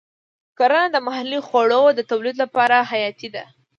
کرنه د محلي خوړو د تولید لپاره حیاتي ده.